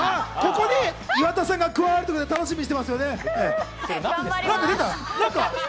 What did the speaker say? ここに岩田さんが加わるということで、楽しみにしてます。